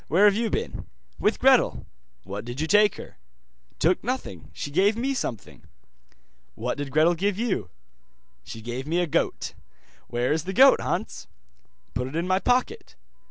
Where have you been?' 'With Gretel.' 'What did you take her?' 'Took nothing, she gave me something.' 'What did Gretel give you?' 'She gave me a goat.' 'Where is the goat, Hans?' 'Put it in my pocket.